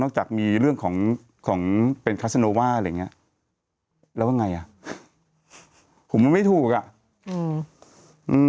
นอกจากมีเรื่องของของเป็นอะไรอย่างเงี้ยแล้วว่าไงอ่ะผมมันไม่ถูกอ่ะอืม